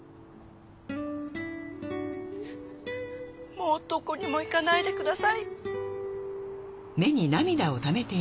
もうどこにも行かないでください。